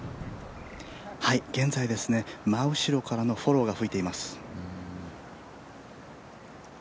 現在、真後ろからのフォローが吹いています。